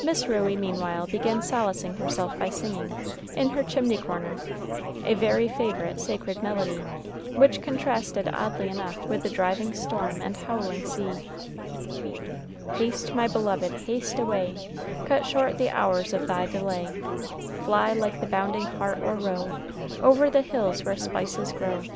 Miss Ruey meanwhile began solacing herself by singing, in her chimney corner, a very favorite sacred melody, which contrasted oddly enough with the driving storm and howling sea: "Haste, my beloved, haste away, Cut short the hours of thy delay; Fly like the bounding hart or roe, Over the hills where spices grow."